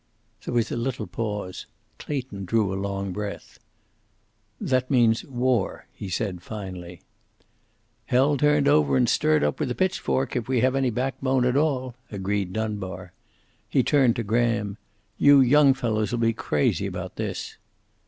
There was a little pause. Clayton drew a long breath. "That means war," he said finally. "Hell turned over and stirred up with a pitch fork, if we have any backbone at all," agreed Dunbar. He turned to Graham. "You young fellows'll be crazy about this."